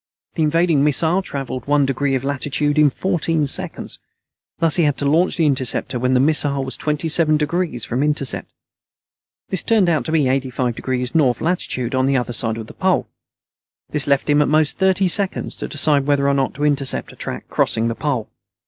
The invading missile traveled one degree of latitude in fourteen seconds. Thus he had to launch the interceptor when the missile was twenty seven degrees from intercept. This turned out to be 85° North Latitude on the other side of the Pole. This left him at most thirty seconds to decide whether or not to intercept a track crossing the Pole.